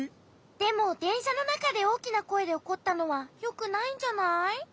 でもでんしゃのなかでおおきなこえでおこったのはよくないんじゃない？